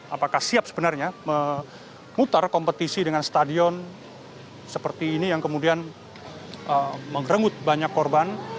apakah siap sebenarnya memutar kompetisi dengan stadion seperti ini yang kemudian mengrenggut banyak korban